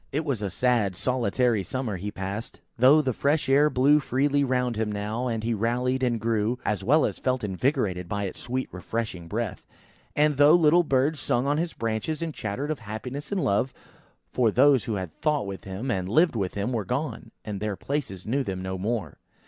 It was a sad, solitary summer he passed, though the fresh air blew freely round him now, and he rallied and grew, as well as felt invigorated by its sweet refreshing breath; and though the little birds sung on his branches and chattered of happiness and love: for those who had thought with him and lived with him, were gone, and their places knew them no more.